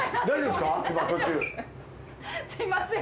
すみません。